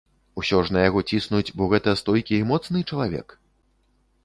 Усё ж на яго ціснуць, бо гэта стойкі і моцны чалавек?